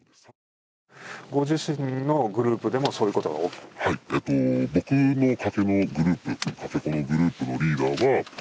ご自身のグループでもそういうことが起きた？